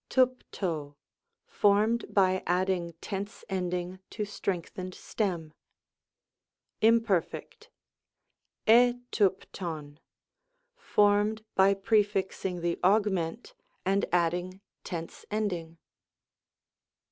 Tvnv'(Oy formed by adding tense ending to strengthened stem. Imperfect. i ^vnT ovy formed, by prefixing the Aug ment, and adding tense ending.